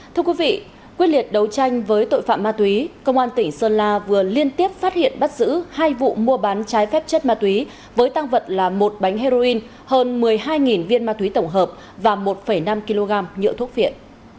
thưa quý vị quyết liệt đấu tranh với tội phạm ma túy công an tỉnh sơn la vừa liên tiếp phát hiện bắt giữ hai vụ mua bán trái phép chất ma túy với tăng vật là một bánh heroin hơn một mươi hai viên ma túy tổng hợp và một năm kg nhựa thuốc viện